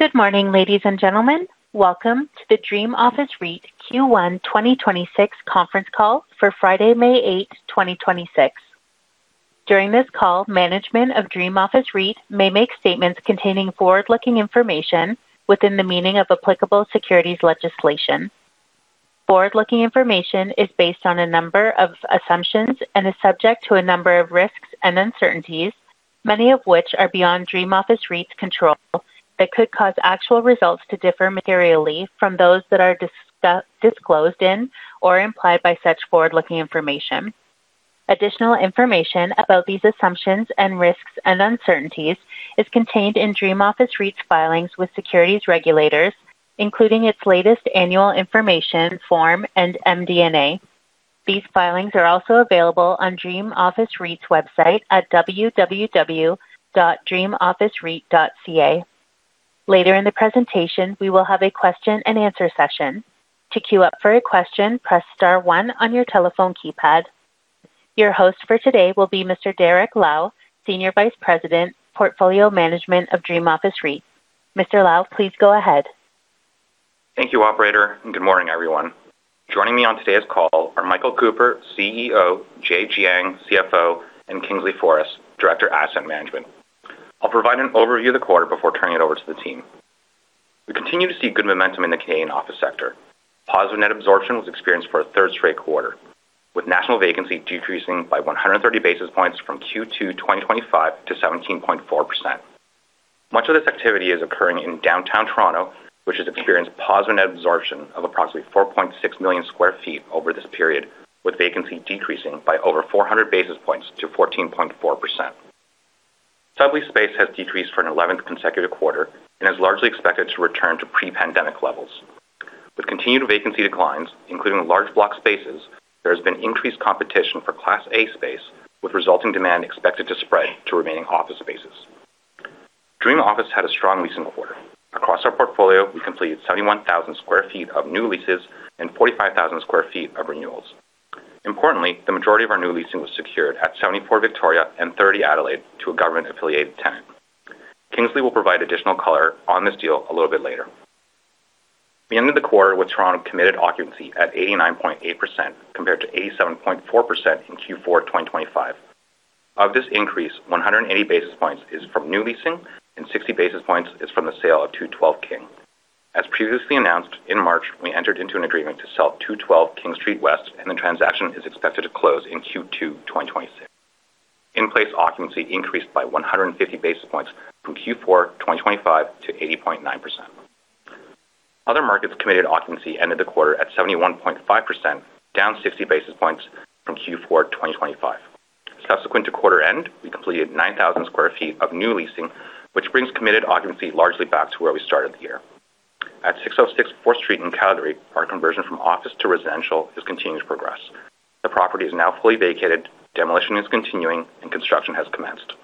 Good morning, ladies and gentlemen. Welcome to the Dream Office REIT Q1 2026 conference call for Friday, May eighth, 2026. During this call, management of Dream Office REIT may make statements containing forward-looking information within the meaning of applicable securities legislation. Forward-looking information is based on a number of assumptions and is subject to a number of risks and uncertainties, many of which are beyond Dream Office REIT's control, that could cause actual results to differ materially from those that are disclosed in or implied by such forward-looking information. Additional information about these assumptions and risks and uncertainties is contained in Dream Office REIT's filings with securities regulators, including its latest annual information form and MD&A. These filings are also available on Dream Office REIT's website at www.dreamofficereit.ca. Later in the presentation, we will have a question-and-answer session. Your host for today will be Mr. Derrick Lau, Senior Vice President, Portfolio Management of Dream Office REIT. Mr. Lau, please go ahead. Thank you, operator, and good morning, everyone. Joining me on today's call are Michael Cooper, CEO; Jay Jiang, CFO; and Kingsley Foris, Director, Asset Management. I'll provide an overview of the quarter before turning it over to the team. We continue to see good momentum in the Canadian office sector. Positive net absorption was experienced for a third straight quarter, with national vacancy decreasing by 130 basis points from Q2 2025 to 17.4%. Much of this activity is occurring in downtown Toronto, which has experienced positive net absorption of approximately 4.6 million sq ft over this period, with vacancy decreasing by over 400 basis points to 14.4%. Sublet space has decreased for an 11th consecutive quarter and is largely expected to return to pre-pandemic levels. With continued vacancy declines, including large block spaces, there has been increased competition for Class A space, with resulting demand expected to spread to remaining office spaces. Dream Office had a strong leasing quarter. Across our portfolio, we completed 71,000 sq ft of new leases and 45,000 sq ft of renewals. Importantly, the majority of our new leasing was secured at 74 Victoria and 30 Adelaide to a government-affiliated tenant. Kingsley will provide additional color on this deal a little bit later. We ended the quarter with Toronto committed occupancy at 89.8% compared to 87.4% in Q4 2025. Of this increase, 180 basis points is from new leasing and 60 basis points is from the sale of 212 King. As previously announced, in March, we entered into an agreement to sell 212 King Street West, and the transaction is expected to close in Q2 2026. In-place occupancy increased by 150 basis points from Q4 2025 to 80.9%. Other markets committed occupancy ended the quarter at 71.5%, down 60 basis points from Q4 2025. Subsequent to quarter end, we completed 9,000 sq ft of new leasing, which brings committed occupancy largely back to where we started the year. At 606 Fourth Street in Calgary, our conversion from office to residential has continued to progress. The property is now fully vacated, demolition is continuing, and construction has commenced.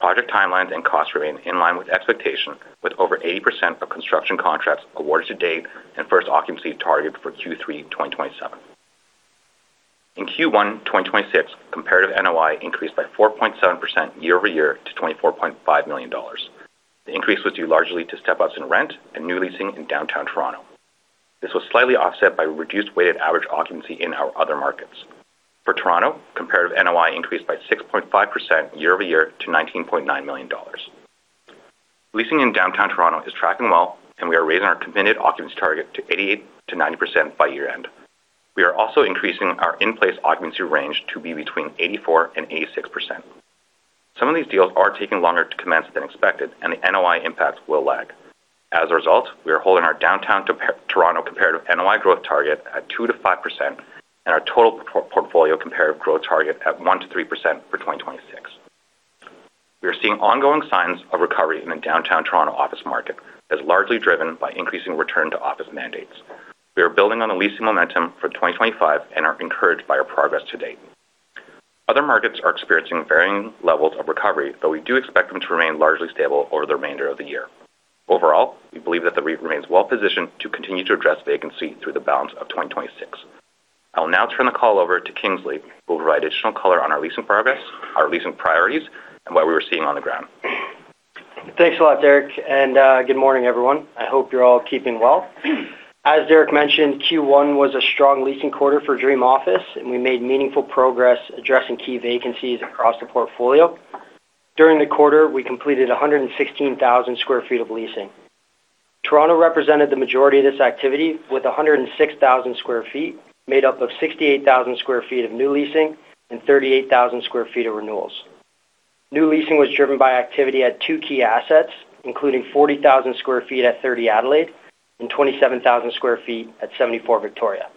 Project timelines and costs remain in line with expectation, with over 80% of construction contracts awarded to date and first occupancy targeted for Q3 2027. In Q1 2026, comparative NOI increased by 4.7% year-over-year to 24.5 million dollars. The increase was due largely to step-ups in rent and new leasing in Downtown Toronto. This was slightly offset by reduced weighted average occupancy in our other markets. For Toronto, comparative NOI increased by 6.5% year-over-year to 19.9 million dollars. Leasing in Downtown Toronto is tracking well, and we are raising our committed occupancy target to 88%-90% by year-end. We are also increasing our in-place occupancy range to be between 84% and 86%. Some of these deals are taking longer to commence than expected, and the NOI impact will lag. As a result, we are holding our downtown Toronto comparative NOI growth target at 2%-5% and our total portfolio comparative growth target at 1%-3% for 2026. We are seeing ongoing signs of recovery in the downtown Toronto office market as largely driven by increasing return to office mandates. We are building on the leasing momentum for 2025 and are encouraged by our progress to date. Other markets are experiencing varying levels of recovery, though we do expect them to remain largely stable over the remainder of the year. Overall, we believe that the REIT remains well-positioned to continue to address vacancy through the balance of 2026. I will now turn the call over to Kingsley, who will provide additional color on our leasing progress, our leasing priorities, and what we are seeing on the ground. Thanks a lot, Derrick. Good morning, everyone. I hope you're all keeping well. As Derrick mentioned, Q1 was a strong leasing quarter for Dream Office, and we made meaningful progress addressing key vacancies across the portfolio. During the quarter, we completed 116,000 sq ft of leasing. Toronto represented the majority of this activity with 106,000 sq ft made up of 68,000 sq ft of new leasing and 38,000 sq ft of renewals. New leasing was driven by activity at two key assets, including 40,000 sq ft at 30 Adelaide and 27,000 sq ft at 74 Victoria.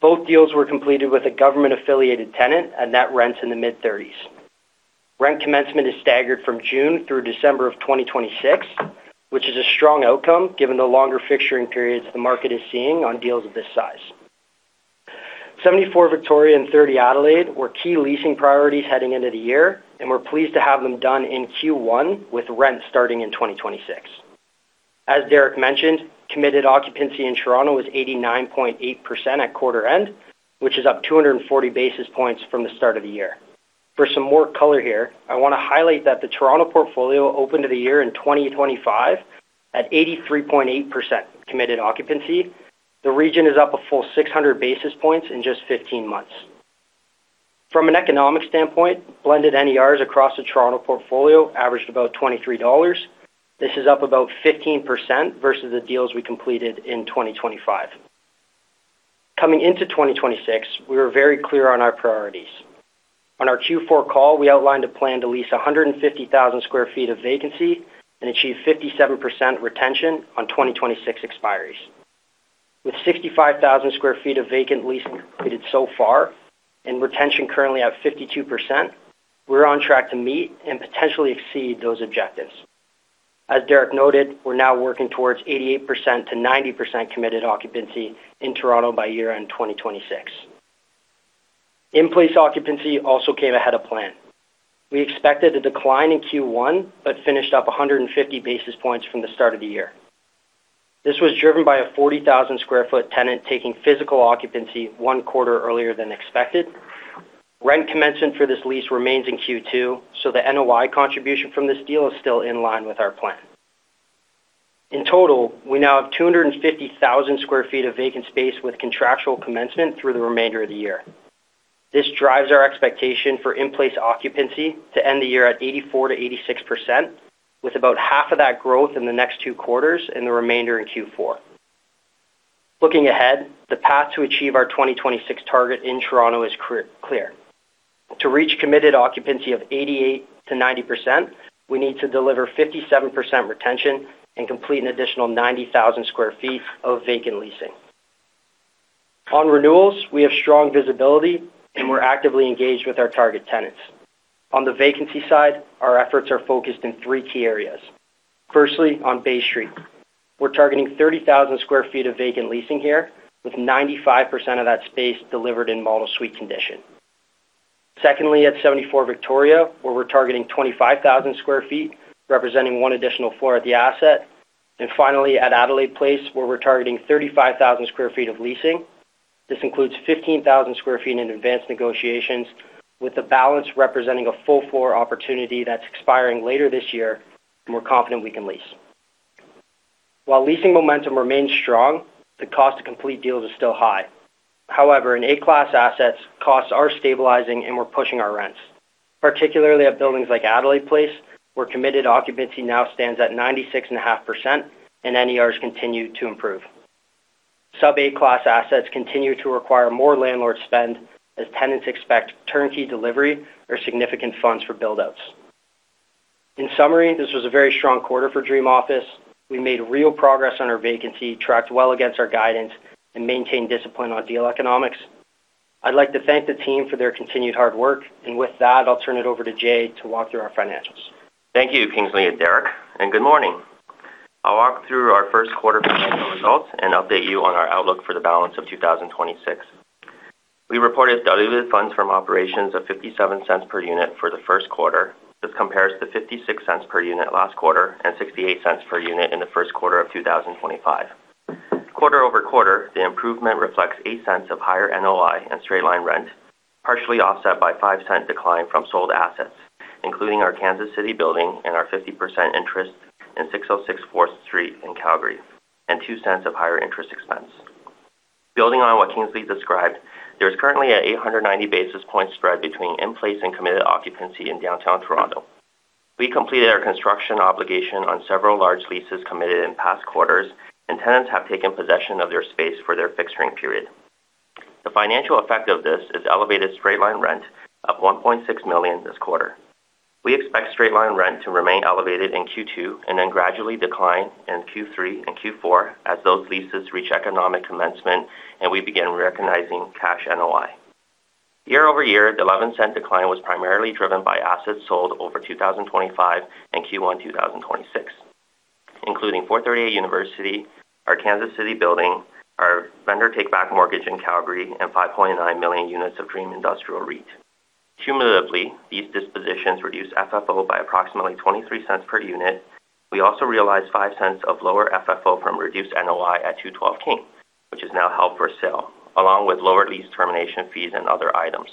Both deals were completed with a government-affiliated tenant at net rents in the mid-thirties. Rent commencement is staggered from June through December of 2026, which is a strong outcome given the longer fixturing periods the market is seeing on deals of this size. 74 Victoria and 30 Adelaide were key leasing priorities heading into the year. We're pleased to have them done in Q1 with rent starting in 2026. As Derrick mentioned, committed occupancy in Toronto was 89.8% at quarter end, which is up 240 basis points from the start of the year. For some more color here, I want to highlight that the Toronto portfolio opened the year in 2025 at 83.8% committed occupancy. The region is up a full 600 basis points in just 15 months. From an economic standpoint, blended NERs across the Toronto portfolio averaged about 23 dollars. This is up about 15% versus the deals we completed in 2025. Coming into 2026, we were very clear on our priorities. On our Q4 call, we outlined a plan to lease 150,000 sq ft of vacancy and achieve 57% retention on 2026 expiries. With 65,000 sq ft of vacant leasing completed so far and retention currently at 52%, we're on track to meet and potentially exceed those objectives. As Derrick noted, we're now working towards 88%-90% committed occupancy in Toronto by year-end 2026. In-place occupancy also came ahead of plan. We expected a decline in Q1, but finished up 150 basis points from the start of the year. This was driven by a 40,000 sq ft tenant taking physical occupancy one quarter earlier than expected. Rent commencement for this lease remains in Q2, so the NOI contribution from this deal is still in line with our plan. In total, we now have 250,000 sq ft of vacant space with contractual commencement through the remainder of the year. This drives our expectation for in-place occupancy to end the year at 84%-86%, with about half of that growth in the next two quarters and the remainder in Q4. Looking ahead, the path to achieve our 2026 target in Toronto is clear. To reach committed occupancy of 88%-90%, we need to deliver 57% retention and complete an additional 90,000 sq ft of vacant leasing. On renewals, we have strong visibility, and we're actively engaged with our target tenants. On the vacancy side, our efforts are focused in three key areas. Firstly, on Bay Street, we're targeting 30,000 sq ft of vacant leasing here, with 95% of that space delivered in model suite condition. Secondly, at 74 Victoria, where we're targeting 25,000 sq ft, representing one additional floor at the asset. Finally, at Adelaide Place, where we're targeting 35,000 sq ft of leasing. This includes 15,000 sq ft in advanced negotiations, with the balance representing a full floor opportunity that's expiring later this year, and we're confident we can lease. While leasing momentum remains strong, the cost to complete deals is still high. However, in A-class assets, costs are stabilizing, and we're pushing our rents, particularly at buildings like Adelaide Place, where committed occupancy now stands at 96.5% and NERs continue to improve. Sub-A class assets continue to require more landlord spend as tenants expect turnkey delivery or significant funds for build-outs. In summary, this was a very strong quarter for Dream Office. We made real progress on our vacancy, tracked well against our guidance, and maintained discipline on deal economics. I'd like to thank the team for their continued hard work. With that, I'll turn it over to Jay to walk through our financials. Thank you, Kingsley and Derrick, and good morning. I'll walk through our first quarter financial results and update you on our outlook for the balance of 2026. We reported diluted funds from operations of 0.57 per unit for the first quarter. This compares to 0.56 per unit last quarter and 0.68 per unit in the first quarter of 2025. Quarter-over-quarter, the improvement reflects 0.08 of higher NOI and straight line rent, partially offset by 0.05 decline from sold assets, including our Kansas City building and our 50% interest in 606 Fourth Street in Calgary, and 0.02 of higher interest expense. Building on what Kingsley described, there's currently an 890 basis point spread between in-place and committed occupancy in downtown Toronto. We completed our construction obligation on several large leases committed in past quarters, and tenants have taken possession of their space for their fixturing period. The financial effect of this is elevated straight line rent of 1.6 million this quarter. We expect straight line rent to remain elevated in Q2 and then gradually decline in Q3 and Q4 as those leases reach economic commencement and we begin recognizing cash NOI. Year-over-year, the 0.11 decline was primarily driven by assets sold over 2025 and Q1 2026, including 438 University, our Kansas City building, our vendor take-back mortgage in Calgary, and 5.9 million units of Dream Industrial REIT. Cumulatively, these dispositions reduced FFO by approximately 0.23 per unit. We also realized 0.05 of lower FFO from reduced NOI at 212 King, which is now held for sale, along with lower lease termination fees and other items.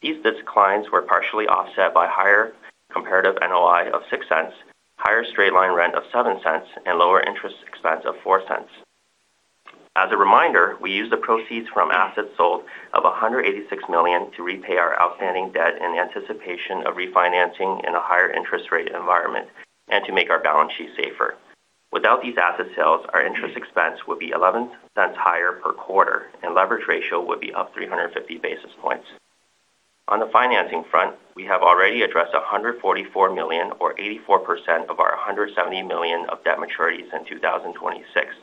These declines were partially offset by higher comparative NOI of 0.06, higher straight line rent of 0.07, and lower interest expense of 0.04. As a reminder, we used the proceeds from assets sold of 186 million to repay our outstanding debt in anticipation of refinancing in a higher interest rate environment and to make our balance sheet safer. Without these asset sales, our interest expense would be 0.11 higher per quarter, and leverage ratio would be up 350 basis points. On the financing front, we have already addressed 144 million or 84% of our 170 million of debt maturities in 2026.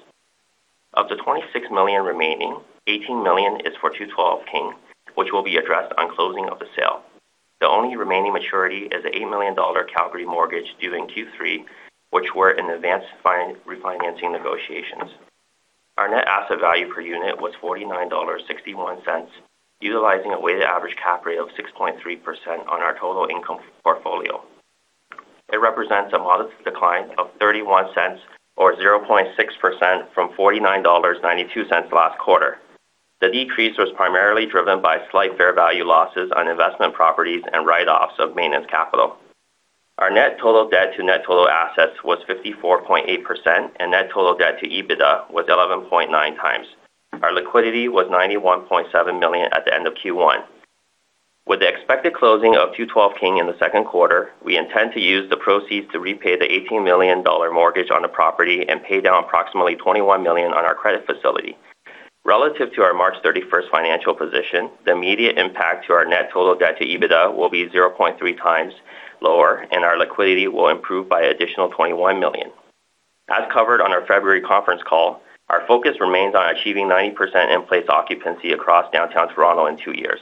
Of the 26 million remaining, 18 million is for 212 King, which will be addressed on closing of the sale. The only remaining maturity is the 8 million dollar Calgary mortgage due in Q3, which we're in advanced refinancing negotiations. Our net asset value per unit was 49.61 dollars, utilizing a weighted average capitalization rate of 6.3% on our total income 0.01 or 0.6% from 49.92 dollars last quarter. The decrease was primarily driven by slight fair value losses on investment properties and write-offs of maintenance capital. Our net total debt to net total assets was 54.8%, and net total debt to EBITDA was 11.9 times. Our liquidity was 91.7 million at the end of Q1. With the expected closing of 212 King in the second quarter, we intend to use the proceeds to repay the 18 million dollar mortgage on the property and pay down approximately 21 million on our credit facility. Relative to our March 31st financial position, the immediate impact to our net total debt to EBITDA will be 0.3 times lower, and our liquidity will improve by additional 21 million. As covered on our February conference call, our focus remains on achieving 90% in-place occupancy across downtown Toronto in two years.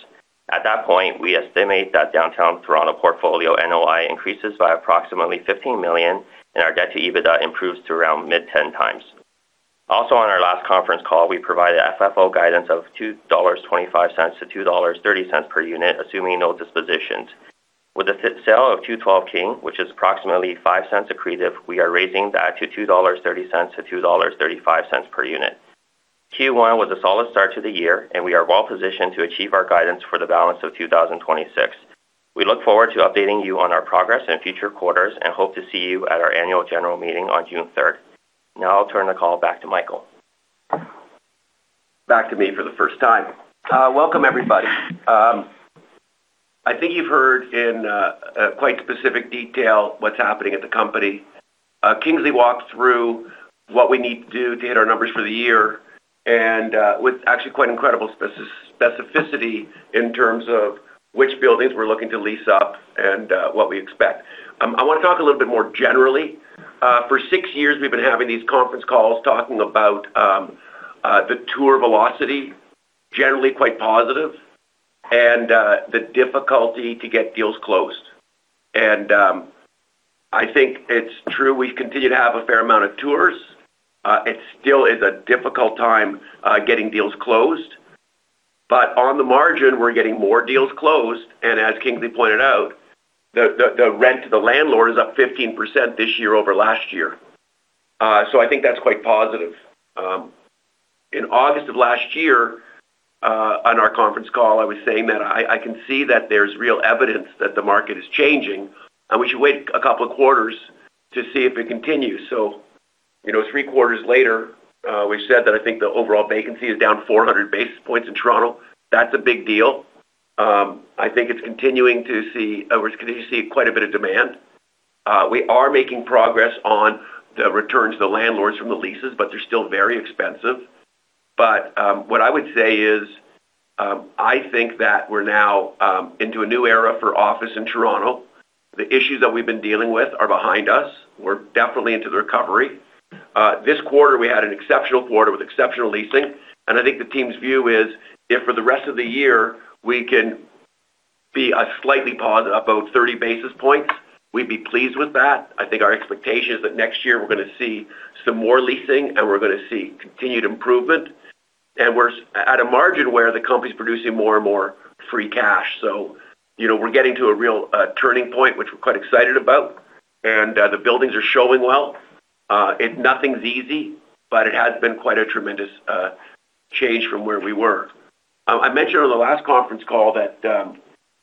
At that point, we estimate that downtown Toronto portfolio NOI increases by approximately 15 million, and our debt to EBITDA improves to around mid 10 times. Also on our last conference call, we provided FFO guidance of 2.25-2.30 dollars per unit, assuming no dispositions. With the sale of 212 King, which is approximately 0.05 accretive, we are raising that to 2.30-2.35 dollars per unit. Q1 was a solid start to the year. We are well positioned to achieve our guidance for the balance of 2026. We look forward to updating you on our progress in future quarters and hope to see you at our annual general meeting on June 3. Now I'll turn the call back to Michael. Back to me for the first time. Welcome everybody. I think you've heard in quite specific detail what's happening at the company. Kingsley walked through what we need to do to hit our numbers for the year and with actually quite incredible specificity in terms of which buildings we're looking to lease up and what we expect. I want to talk a little bit more generally. For six years, we've been having these conference calls talking about the tour velocity, generally quite positive, and the difficulty to get deals closed. I think it's true we continue to have a fair amount of tours. It still is a difficult time getting deals closed. On the margin, we're getting more deals closed, and as Kingsley pointed out, the rent to the landlord is up 15% this year over last year. I think that's quite positive. In August of last year, on our conference call, I was saying that I can see that there's real evidence that the market is changing, and we should wait a couple of quarters to see if it continues. You know, three quarters later, we've said that I think the overall vacancy is down 400 basis points in Toronto. That's a big deal. I think we're continuing to see quite a bit of demand. We are making progress on the returns to landlords from the leases, but they're still very expensive. What I would say is, I think that we're now into a new era for office in Toronto. The issues that we've been dealing with are behind us. We're definitely into the recovery. This quarter, we had an exceptional quarter with exceptional leasing. I think the team's view is if for the rest of the year we can be a slightly positive, about 30 basis points, we'd be pleased with that. I think our expectation is that next year we're going to see some more leasing, and we're going to see continued improvement. We're at a margin where the company's producing more and more free cash. You know, we're getting to a real turning point, which we're quite excited about. The buildings are showing well. Nothing's easy, but it has been quite a tremendous change from where we were. I mentioned on the last conference call that,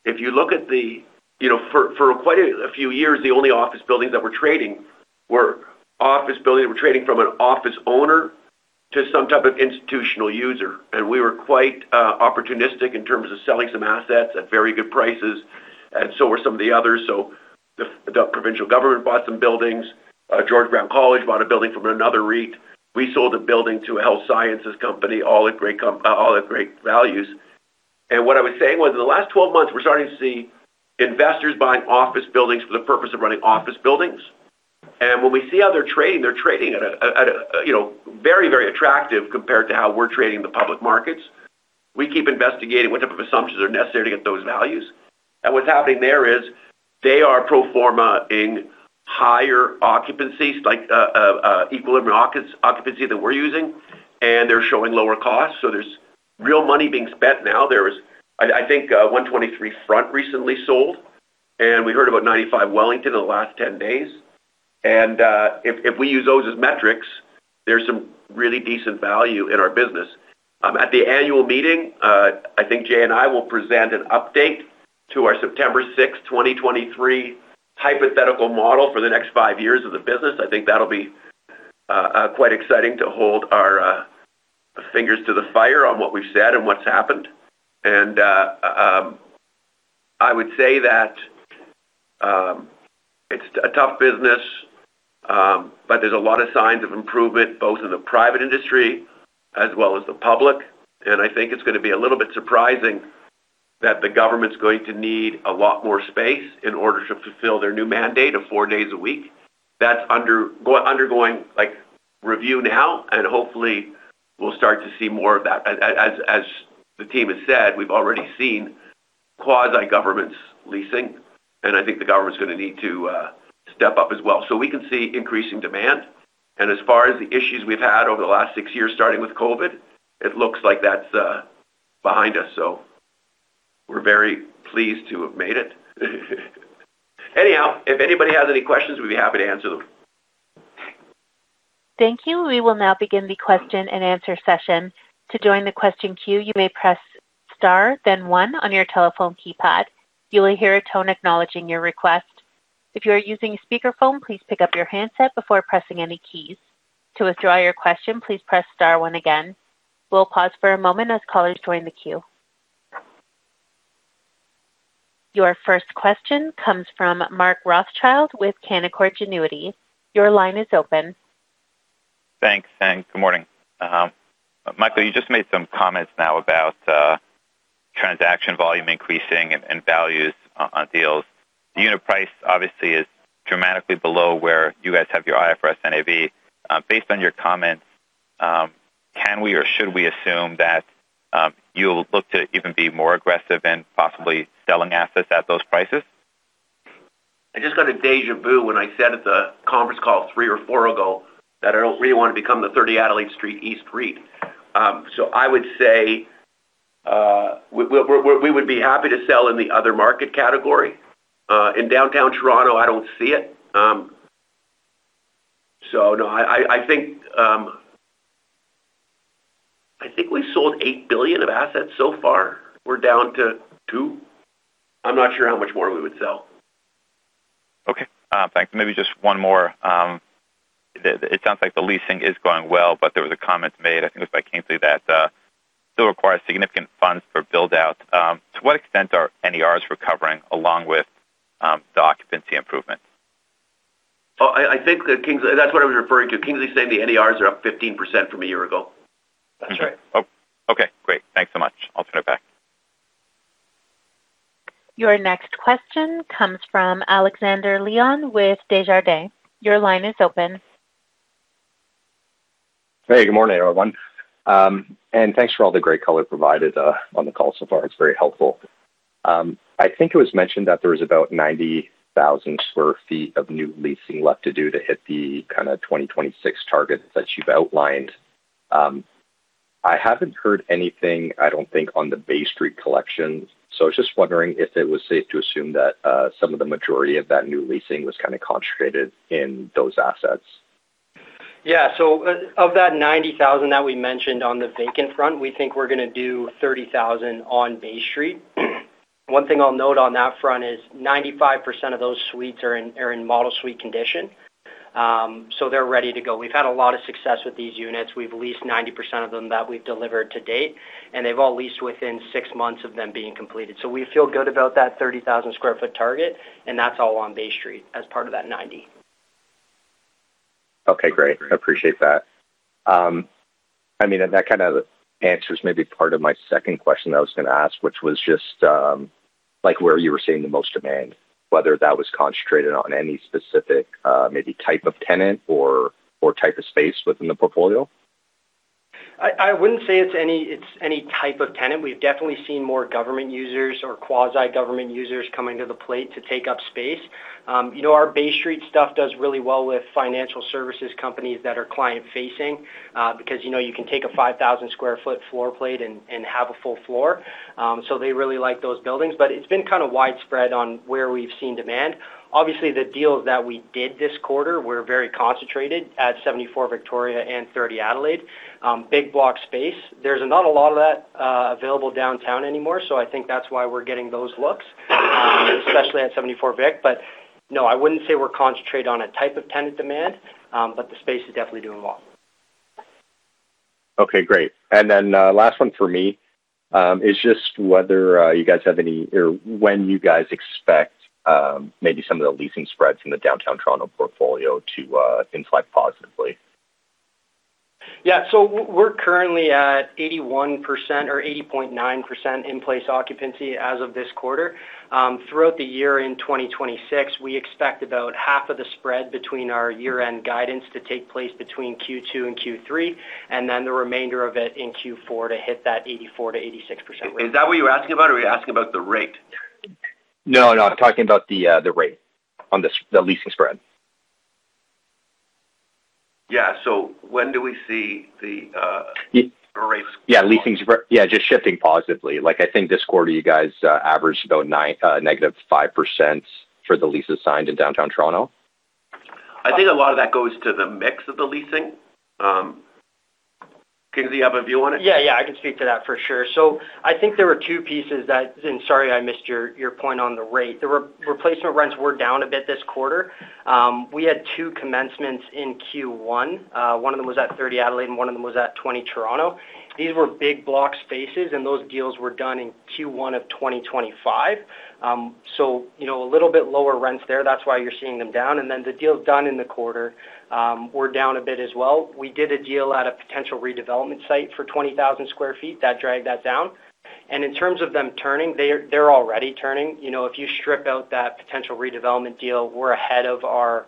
if you look at the you know, for quite a few years, the only office buildings that were trading were office buildings that were trading from an office owner to some type of institutional user. We were quite opportunistic in terms of selling some assets at very good prices, and so were some of the others. The provincial government bought some buildings. George Brown College bought a building from another REIT. We sold a building to a health sciences company, all at great all at great values. What I was saying was in the last 12 months, we're starting to see investors buying office buildings for the purpose of running office buildings. When we see how they're trading, they're trading at a, you know, very, very attractive compared to how we're trading the public markets. We keep investigating what type of assumptions are necessary to get those values. What's happening there is they are pro forma-ing higher occupancies, like equilibrium occupancy that we're using, and they're showing lower costs. There's real money being spent now. I think 123 Front recently sold, and we heard about 95 Wellington in the last 10 days. If we use those as metrics, there's some really decent value in our business. At the annual meeting, I think Jay and I will present an update to our September 6, 2023 hypothetical model for the next five years of the business. I think that'll be quite exciting to hold our fingers to the fire on what we've said and what's happened. I would say that it's a tough business, but there's a lot of signs of improvement, both in the private industry as well as the public. I think it's going to be a little bit surprising that the government's going to need a lot more space in order to fulfill their new mandate of four days a week. That's undergoing review now, and hopefully we'll start to see more of that. As the team has said, we've already seen quasi-government's leasing, and I think the government's going to need to step up as well. We can see increasing demand. As far as the issues we've had over the last six years, starting with COVID, it looks like that's behind us. We're very pleased to have made it. Anyhow, if anybody has any questions, we'd be happy to answer them. Thank you. We will now begin the question and answer session. To join the question queue, you may press star, then one on your telephone keypad. You will hear a tone acknowledging your request. If you are using a speakerphone, please pick up your handset before pressing any keys. To withdraw your question, please press star one again. We'll pause for a moment as callers join the queue. Your first question comes from Mark Rothschild with Canaccord Genuity. Thanks, and good morning. Michael, you just made some comments now about transaction volume increasing and values on deals. The unit price obviously is dramatically below where you guys have your IFRS NAV. Based on your comments, can we or should we assume that you'll look to even be more aggressive in possibly selling assets at those prices? I just got a déjà vu when I said at the conference call three or four ago that I don't really want to become the 30 Adelaide Street East REIT. I would say we would be happy to sell in the other market category. In downtown Toronto, I don't see it. No, I think I think we've sold 8 billion of assets so far. We're down to 2 billion. I'm not sure how much more we would sell. Okay. thanks. Maybe just one more. It sounds like the leasing is going well, but there was a comment made, I think it was by Kingsley, that still requires significant funds for build-out. To what extent are NERs recovering along with the occupancy improvement? I think that's what I was referring to. Kingsley's saying the NERs are up 15% from a year ago. That's right. Okay. Great. Thanks so much. I'll turn it back. Your next question comes from Alexander Leon with Desjardins. Your line is open. Hey, good morning, everyone. Thanks for all the great color provided on the call so far. It's very helpful. I think it was mentioned that there was about 90,000 sq ft of new leasing left to do to hit the kind of 2026 target that you've outlined. I haven't heard anything, I don't think, on the Bay Street collections, so I was just wondering if it was safe to assume that some of the majority of that new leasing was kind of concentrated in those assets. Of that 90,000 that we mentioned on the vacant front, we think we're going to do 30,000 on Bay Street. One thing I'll note on that front is 95% of those suites are in model suite condition, so they're ready to go. We've had a lot of success with these units. We've leased 90% of them that we've delivered to date, and they've all leased within six months of them being completed. We feel good about that 30,000 square foot target, and that's all on Bay Street as part of that 90. Okay, great. I appreciate that. I mean, that kind of answers maybe part of my second question I was gonna ask, which was just, like, where you were seeing the most demand, whether that was concentrated on any specific, maybe type of tenant or type of space within the portfolio. I wouldn't say it's any type of tenant. We've definitely seen more government users or quasi-government users coming to the plate to take up space. You know, our Bay Street stuff does really well with financial services companies that are client-facing, because, you know, you can take a 5,000 sq ft floor plate and have a full floor. They really like those buildings. It's been kind of widespread on where we've seen demand. Obviously, the deals that we did this quarter were very concentrated at 74 Victoria and 30 Adelaide. Big block space. There's not a lot of that available downtown anymore, I think that's why we're getting those looks, especially at 74 Vic. No, I wouldn't say we're concentrated on a type of tenant demand, the space is definitely doing well. Okay, great. Last one for me is just whether you guys have any or when you guys expect maybe some of the leasing spreads in the downtown Toronto portfolio to inflect positively? We're currently at 81% or 80.9% in-place occupancy as of this quarter. Throughout the year in 2026, we expect about half of the spread between our year-end guidance to take place between Q2 and Q3, and then the remainder of it in Q4 to hit that 84%-86% range. Is that what you're asking about, or are you asking about the rate? No, no, I'm talking about the rate on the leasing spread. Yeah. When do we see the. Yeah, just shifting positively. Like, I think this quarter you guys averaged about -5% for the leases signed in downtown Toronto. I think a lot of that goes to the mix of the leasing. Kingsley, you have a view on it? Yeah, I can speak to that for sure. I think there were two pieces, and sorry, I missed your point on the rate. The re-replacement rents were down a bit this quarter. We had two commencements in Q1. One of them was at 30 Adelaide, and one of them was at 20 Toronto. These were big block spaces, and those deals were done in Q1 of 2025. You know, a little bit lower rents there. That's why you're seeing them down. The deals done in the quarter were down a bit as well. We did a deal at a potential redevelopment site for 20,000 square feet. That dragged that down. In terms of them turning, they're already turning. You know, if you strip out that potential redevelopment deal, we're ahead of our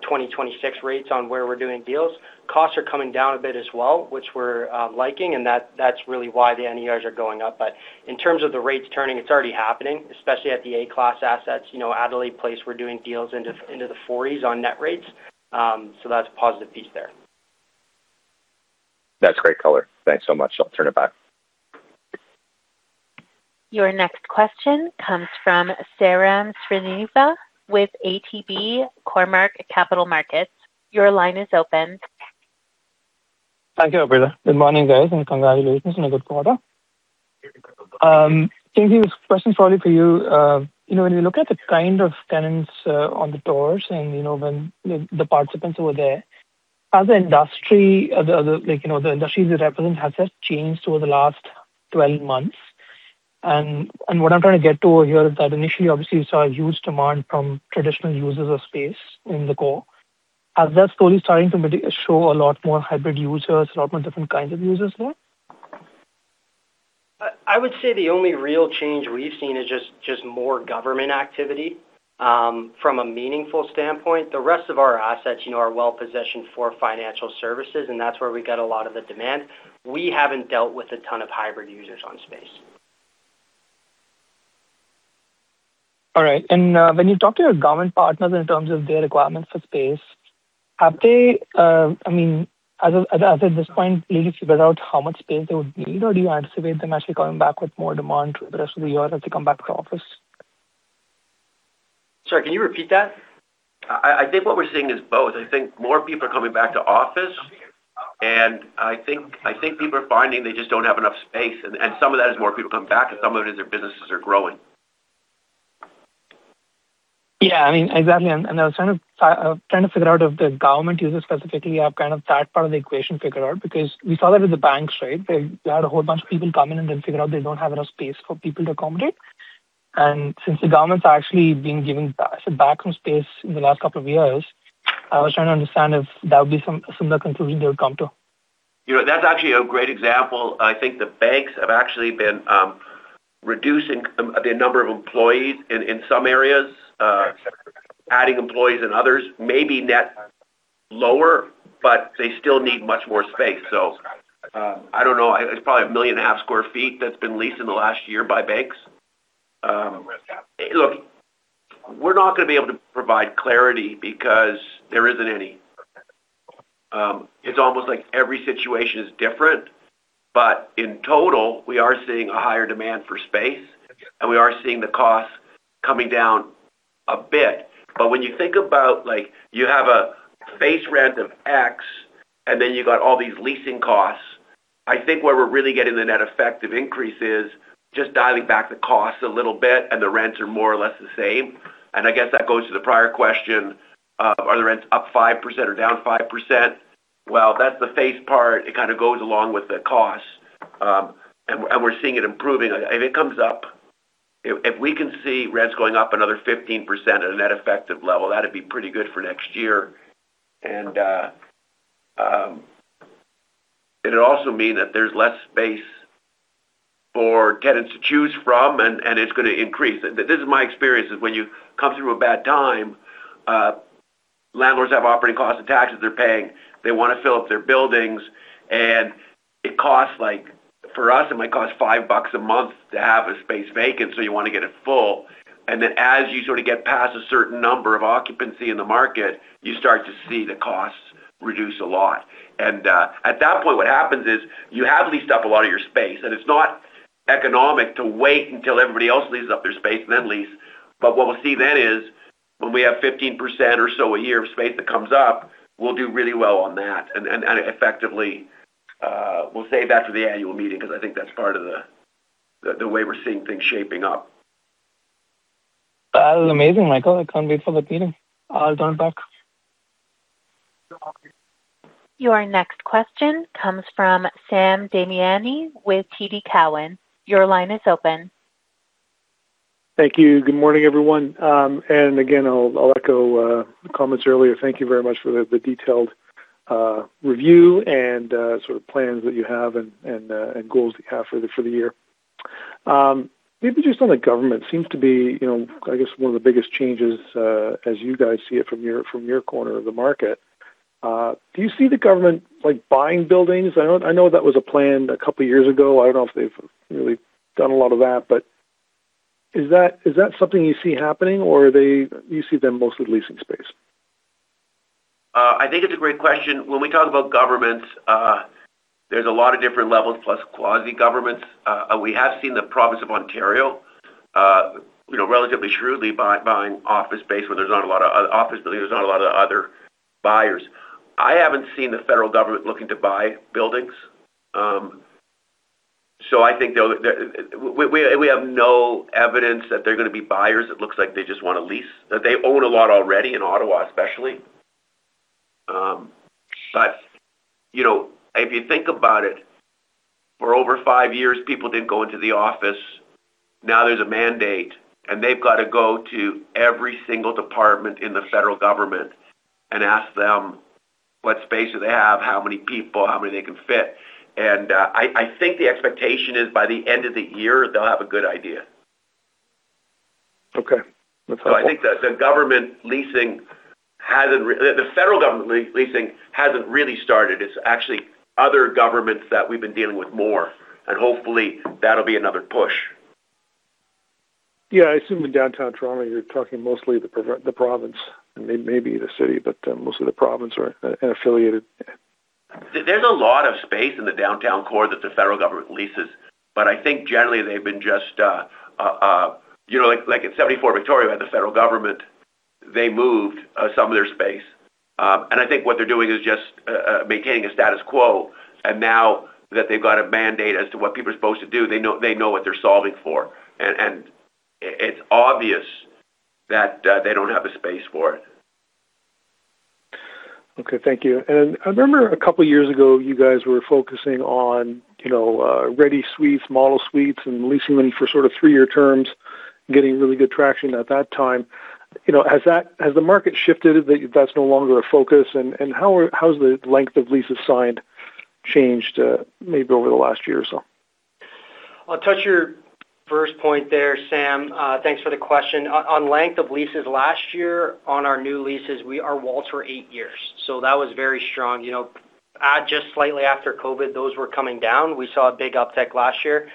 2026 rates on where we're doing deals. Costs are coming down a bit as well, which we're liking, that's really why the NERs are going up. In terms of the rates turning, it's already happening, especially at the A-class assets. You know, Adelaide Place, we're doing deals into the CAD 40s on net rates. That's a positive piece there. That's great color. Thanks so much. I'll turn it back. Your next question comes from Sairam Srinivas with ATB Cormark Capital Markets. Your line is open. Thank you, operator. Good morning, guys, and congratulations on a good quarter. Kingsley, this question is probably for you. you know, when you look at the kind of tenants on the tours and, you know, when the participants who were there, as an industry, the, like, you know, the industries they represent, has that changed over the last 12 months? What I'm trying to get to here is that initially, obviously, you saw a huge demand from traditional users of space in the core. Has that slowly starting to maybe show a lot more hybrid users, a lot more different kinds of users now? I would say the only real change we've seen is just more government activity from a meaningful standpoint. The rest of our assets, you know, are well-positioned for financial services, and that's where we get a lot of the demand. We haven't dealt with a ton of hybrid users on space. All right. When you talk to your government partners in terms of their requirements for space, have they, I mean, as of this point, they figured out how much space they would need, or do you anticipate them actually coming back with more demand through the rest of the year as they come back to office? Sorry, can you repeat that? I think what we're seeing is both. I think more people are coming back to office, and I think people are finding they just don't have enough space. Some of that is more people coming back, and some of it is their businesses are growing. Yeah. I mean, exactly. I was trying to figure out if the government users specifically have kind of that part of the equation figured out. Because we saw that with the banks, right? They had a whole bunch of people come in and then figure out they don't have enough space for people to accommodate. Since the government's actually been giving back some back from space in the last couple of years, I was trying to understand if that would be a similar conclusion they would come to. You know, that's actually a great example. I think the banks have actually been reducing the number of employees in some areas, adding employees in others. Maybe net lower, but they still need much more space. I don't know. It's probably 1.5 million sq ft that's been leased in the last year by banks. Look, we're not gonna be able to provide clarity because there isn't any. It's almost like every situation is different. In total, we are seeing a higher demand for space, and we are seeing the costs coming down a bit. When you think about, like, you have a base rent of X, and then you've got all these leasing costs, I think where we're really getting the net effect of increase is just dialing back the costs a little bit, and the rents are more or less the same. I guess that goes to the prior question of are the rents up 5% or down 5%? Well, that's the base part. It kind of goes along with the cost. And we're seeing it improving. If we can see rents going up another 15% at a net effective level, that'd be pretty good for next year. It'd also mean that there's less space for tenants to choose from, and it's gonna increase. This is my experience, is when you come through a bad time, landlords have operating costs and taxes they're paying. They wanna fill up their buildings, and it costs like for us, it might cost 5 bucks a month to have a space vacant, you wanna get it full. Then as you sort of get past a certain number of occupancy in the market, you start to see the costs reduce a lot. At that point, what happens is you have leased up a lot of your space, and it's not economic to wait until everybody else leases up their space and then lease. What we'll see then is when we have 15% or so a year of space that comes up, we'll do really well on that. Effectively, we'll save that for the annual meeting because I think that's part of the way we're seeing things shaping up. That is amazing, Michael. I can't wait for the meeting. I'll turn it back. Your next question comes from Sam Damiani with TD Cowen. Your line is open. Thank you. Good morning, everyone. Again, I'll echo the comments earlier. Thank you very much for the detailed review and sort of plans that you have and goals you have for the year. Maybe just on the government. Seems to be, you know, I guess one of the biggest changes as you guys see it from your corner of the market. Do you see the government, like, buying buildings? I know that was a plan a couple years ago. I don't know if they've really done a lot of that, but is that something you see happening, or do you see them mostly leasing space? I think it's a great question. When we talk about governments, there's a lot of different levels, plus quasi-governments. We have seen the province of Ontario, you know, relatively shrewdly buying office space where there's not a lot of office buildings, there's not a lot of other buyers. I haven't seen the federal government looking to buy buildings. We have no evidence that they're gonna be buyers. It looks like they just want to lease. They own a lot already in Ottawa, especially. You know, if you think about it, for over five years, people didn't go into the office. Now there's a mandate, they've got to go to every single department in the federal government and ask them what space do they have, how many people, how many they can fit. I think the expectation is by the end of the year, they'll have a good idea. Okay. That's helpful. The federal government leasing hasn't really started. It's actually other governments that we've been dealing with more, and hopefully that'll be another push. Yeah, I assume in downtown Toronto, you're talking mostly the province, and maybe the city, but mostly the province or and affiliated. There's a lot of space in the downtown core that the federal government leases. I think generally they've been just, you know, like at 74 Victoria, where the federal government, they moved some of their space. I think what they're doing is just maintaining a status quo. Now that they've got a mandate as to what people are supposed to do, they know what they're solving for. It's obvious that they don't have the space for it. Okay. Thank you. I remember a couple years ago, you guys were focusing on, you know, ready suites, model suites, and leasing them for sort of three-year terms, getting really good traction at that time. You know, has the market shifted that that's no longer a focus? How's the length of leases signed changed, maybe over the last year or so? I'll touch your first point there, Sam. Thanks for the question. On length of leases last year on our new leases, our WALTs were eight years, so that was very strong. You know, just slightly after COVID, those were coming down. We saw a big uptick last year.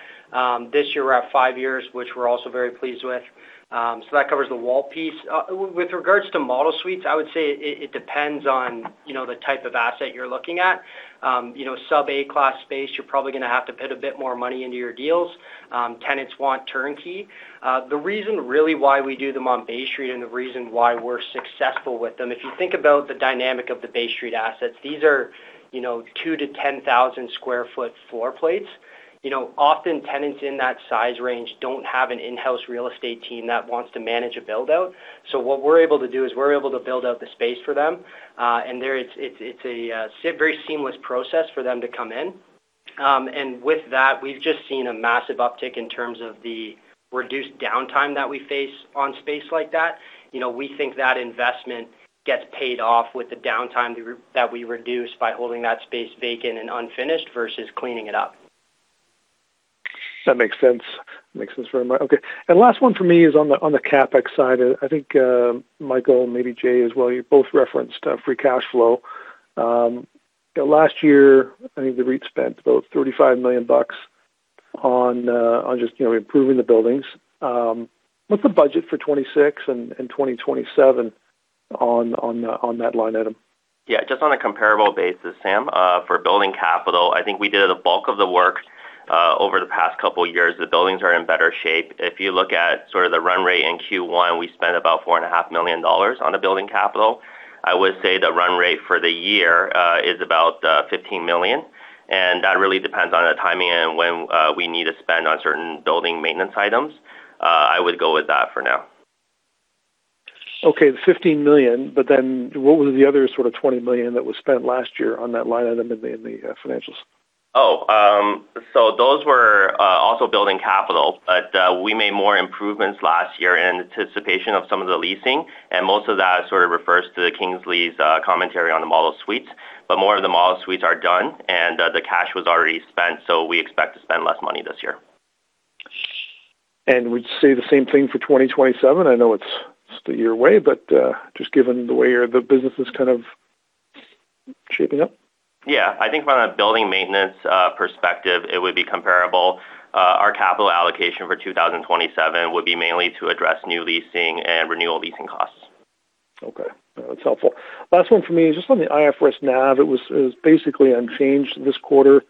This year we're at five years, which we're also very pleased with. So that covers the WALT piece. With regards to model suites, I would say it depends on, you know, the type of asset you're looking at. You know, sub A class space, you're probably gonna have to put a bit more money into your deals. Tenants want turnkey. The reason really why we do them on Bay Street and the reason why we're successful with them, if you think about the dynamic of the Bay Street assets, these are, you know, 2 to 10,000 sq ft floor plates. You know, often tenants in that size range don't have an in-house real estate team that wants to manage a build-out. What we're able to do is we're able to build out the space for them. It's a very seamless process for them to come in. With that, we've just seen a massive uptick in terms of the reduced downtime that we face on space like that. You know, we think that investment gets paid off with the downtime that we reduce by holding that space vacant and unfinished versus cleaning it up. That makes sense. Makes sense very much. Okay. Last one for me is on the CapEx side. I think, Michael, maybe Jay as well, you both referenced free cash flow. Last year, I think the REIT spent about 35 million bucks on just, you know, improving the buildings. What's the budget for 2026 and 2027 on that line item? Just on a comparable basis, Sam, for building capital, I think we did the bulk of the work over the past couple years. The buildings are in better shape. If you look at sort of the run rate in Q1, we spent about 4.5 million dollars on the building capital. I would say the run rate for the year is about 15 million, and that really depends on the timing and when we need to spend on certain building maintenance items. I would go with that for now. Okay. The 15 million, what were the other sort of 20 million that was spent last year on that line item in the financials? Those were also building capital, but we made more improvements last year in anticipation of some of the leasing, and most of that sort of refers to Kingsley's commentary on the model suites. More of the model suites are done, and the cash was already spent, so we expect to spend less money this year. Would you say the same thing for 2027? I know it's still 1 year away, but, just given the way the business is kind of shaping up. Yeah. I think from a building maintenance, perspective, it would be comparable. Our capital allocation for 2027 would be mainly to address new leasing and renewal leasing costs. Okay. That's helpful. Last one for me is just on the IFRS NAV. It was basically unchanged this quarter.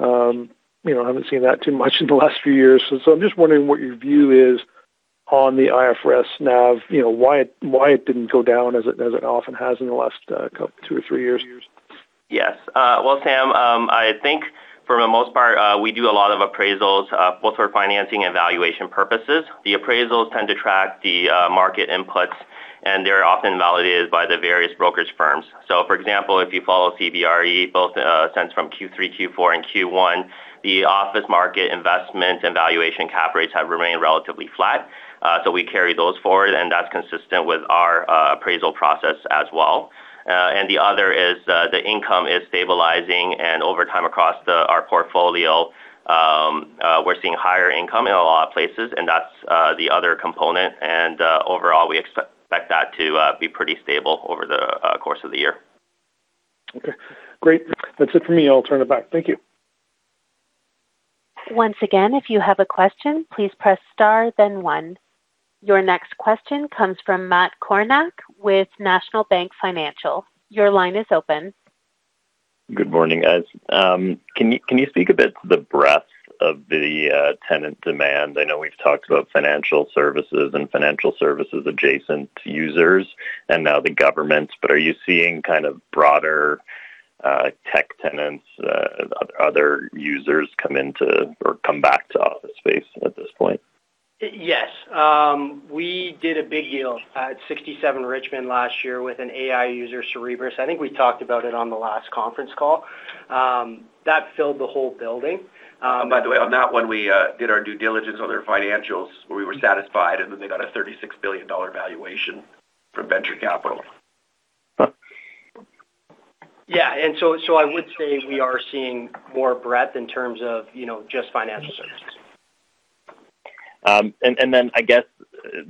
You know, I haven't seen that too much in the last few years. I'm just wondering what your view is on the IFRS NAV, you know, why it didn't go down as it often has in the last two or three years. Yes. well, Sam, I think for the most part, we do a lot of appraisals, both for financing and valuation purposes. The appraisals tend to track the market inputs, and they're often validated by the various brokerage firms. For example, if you follow CBRE, both, since from Q3, Q4, and Q1, the office market investment and valuation cap rates have remained relatively flat. We carry those forward, and that's consistent with our appraisal process as well. The other is, the income is stabilizing, and over time, across our portfolio, we're seeing higher income in a lot of places, and that's the other component. Overall, we expect that to be pretty stable over the course of the year. Okay. Great. That's it for me. I'll turn it back. Thank you. Once again, if you have a question, please press star then one. Your next question comes from Matt Kornack with National Bank Financial. Your line is open. Good morning, guys. Can you speak a bit to the breadth of the tenant demand? I know we've talked about financial services and financial services adjacent to users and now the governments. Are you seeing kind of broader tech tenants, other users come into or come back to office space at this point? Yes. We did a big deal at 67 Richmond last year with an AI user, Cerebras. I think we talked about it on the last conference call. That filled the whole building. By the way, on that one, we did our due diligence on their financials where we were satisfied, and then they got a 36 billion dollar valuation from venture capital. Yeah. I would say we are seeing more breadth in terms of, you know, just financial services. Then I guess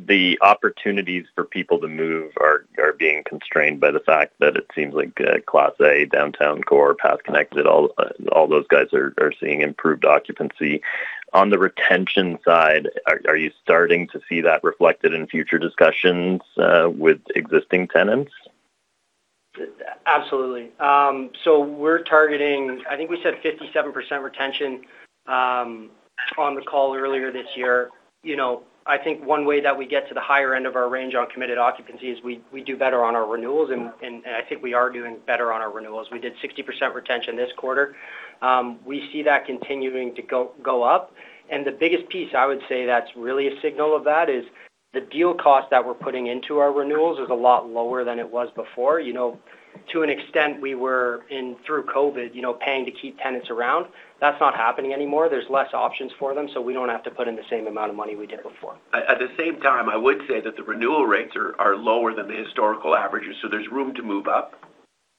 the opportunities for people to move are being constrained by the fact that it seems like Class A downtown core, path connected, all those guys are seeing improved occupancy. On the retention side, are you starting to see that reflected in future discussions with existing tenants? Absolutely. We're targeting, I think we said 57% retention on the call earlier this year. You know, I think one way that we get to the higher end of our range on committed occupancy is we do better on our renewals, and I think we are doing better on our renewals. We did 60% retention this quarter. We see that continuing to go up. The biggest piece I would say that's really a signal of that is the deal cost that we're putting into our renewals is a lot lower than it was before. You know, to an extent we were in through COVID, you know, paying to keep tenants around. That's not happening anymore. There's less options for them, we don't have to put in the same amount of money we did before. At the same time, I would say that the renewal rates are lower than the historical averages, so there's room to move up.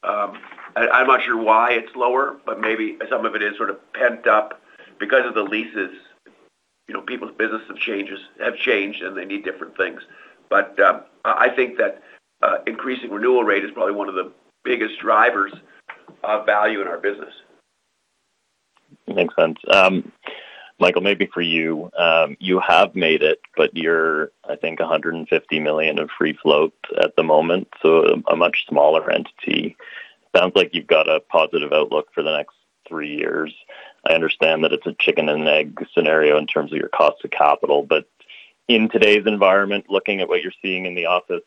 I'm not sure why it's lower, but maybe some of it is sort of pent up because of the leases. You know, people's business have changed, and they need different things. I think that increasing renewal rate is probably one of the biggest drivers of value in our business. Makes sense. Michael, maybe for you. You have made it, but you're, I think, 150 million in free float at the moment, so a much smaller entity. Sounds like you've got a positive outlook for the next three years. I understand that it's a chicken and egg scenario in terms of your cost of capital. In today's environment, looking at what you're seeing in the office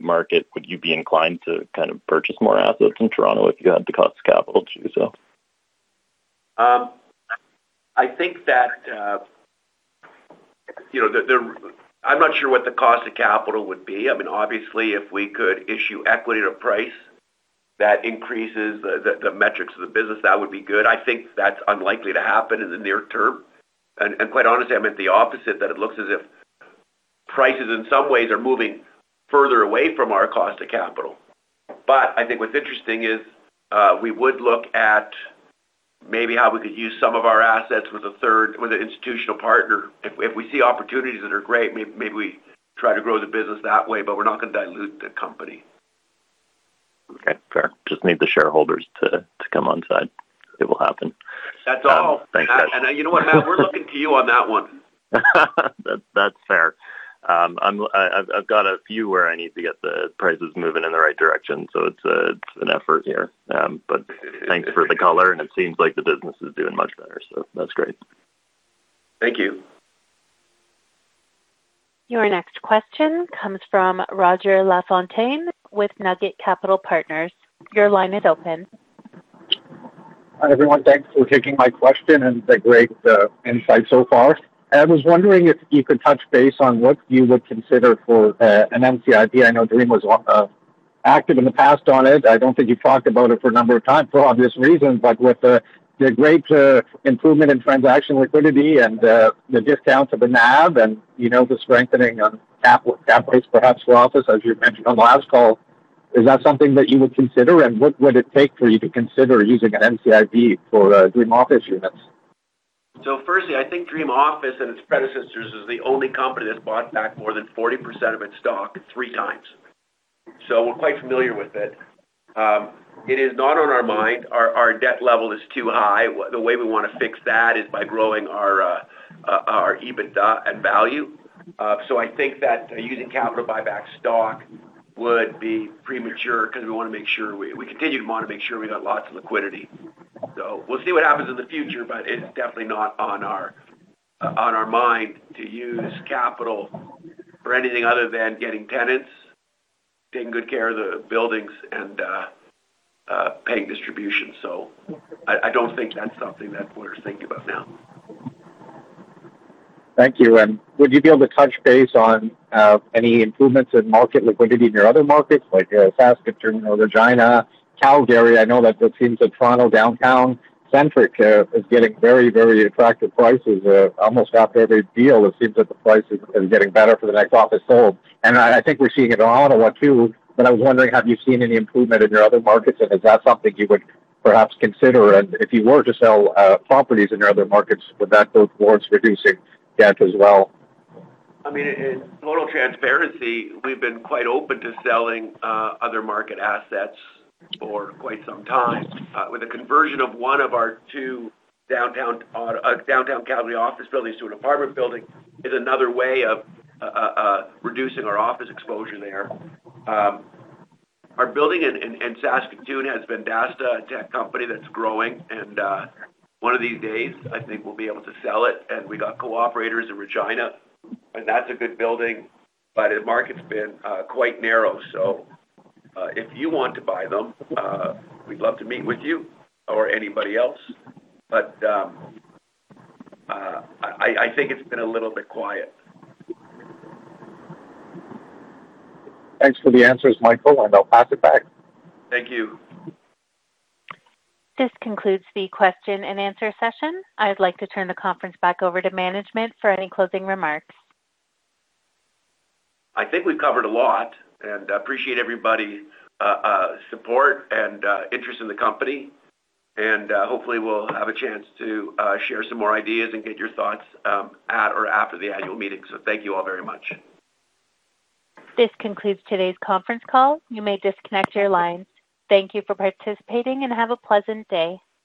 market, would you be inclined to kind of purchase more assets in Toronto if you had the cost of capital to do so? I think that, you know, I'm not sure what the cost of capital would be. I mean, obviously, if we could issue equity at a price that increases the metrics of the business, that would be good. I think that's unlikely to happen in the near term. Quite honestly, I meant the opposite, that it looks as if prices in some ways are moving further away from our cost of capital. I think what's interesting is, we would look at maybe how we could use some of our assets with an institutional partner. If we see opportunities that are great, maybe we try to grow the business that way, but we're not gonna dilute the company. Okay, fair. Just need the shareholders to come on side. It will happen. That's all. Thanks, guys. You know what, Matt, we're looking to you on that one. That's, that's fair. I've got a few where I need to get the prices moving in the right direction, so it's an effort here. Thanks for the color, and it seems like the business is doing much better, so that's great. Thank you. Your next question comes from Roger Lafontaine with Nugget Capital Partners. Your line is open. Hi, everyone. Thanks for taking my question and the great insight so far. I was wondering if you could touch base on what you would consider for an NCIB. I know Dream was active in the past on it. I don't think you've talked about it for a number of times for obvious reasons. With the great improvement in transaction liquidity and the discount to the NAV and, you know, the strengthening on cap rates perhaps for office, as you mentioned on the last call, is that something that you would consider? What would it take for you to consider using an NCIB for Dream Office units? Firstly, I think Dream Office and its predecessors is the only company that's bought back more than 40% of its stock three times. We're quite familiar with it. It is not on our mind. Our, our debt level is too high. The way we want to fix that is by growing our EBITDA and value. I think that using capital to buy back stock would be premature because we wanna make sure we continue to wanna make sure we got lots of liquidity. We'll see what happens in the future, but it's definitely not on our on our mind to use capital for anything other than getting tenants, taking good care of the buildings, and paying distribution. I don't think that's something that we're thinking about now. Thank you. Would you be able to touch base on any improvements in market liquidity in your other markets like Saskatoon or Regina, Calgary? I know that it seems that Toronto downtown centric is getting very, very attractive prices. Almost after every deal, it seems that the price is getting better for the next office sold. I think we're seeing it in Ottawa too, but I was wondering, have you seen any improvement in your other markets, and is that something you would perhaps consider? If you were to sell properties in your other markets, would that go towards reducing debt as well? I mean, in total transparency, we've been quite open to selling other market assets for quite some time. With the conversion of one of our two downtown downtown Calgary office buildings to an apartment building is another way of reducing our office exposure there. Our building in Saskatoon has Vendasta, a tech company that's growing. One of these days, I think we'll be able to sell it. We got The Co-operators in Regina, and that's a good building, but the market's been quite narrow. If you want to buy them, we'd love to meet with you or anybody else. I think it's been a little bit quiet. Thanks for the answers, Michael, I'll pass it back. Thank you. This concludes the question and answer session. I'd like to turn the conference back over to management for any closing remarks. I think we've covered a lot, and I appreciate everybody, support and interest in the company. Hopefully we'll have a chance to share some more ideas and get your thoughts at or after the annual meeting. Thank you all very much. This concludes today's conference call. You may disconnect your lines. Thank you for participating, and have a pleasant day.